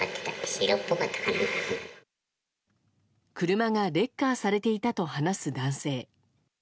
車がレッカーされていたと話す男性。